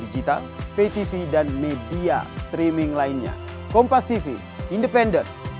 apa yang kita inginkan lihat adalah keamanan yang tenang di seluruh region